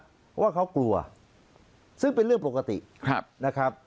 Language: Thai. เพราะว่าเขากลัวซึ่งเป็นเรื่องปกตินะครับ